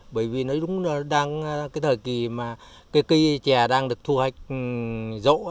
bởi vì nó đúng là cái thời kỳ mà cây chè đang được thu hoạch rỗ